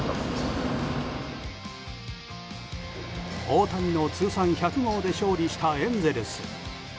大谷の通算１００号で勝利したエンゼルス。